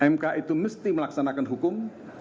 mk itu mesti melaksanakan hukum